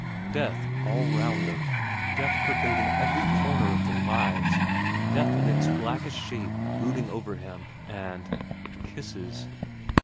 Death all round them, death pervading every corner of their lives, death in its blackest shape brooding over him, and kisses.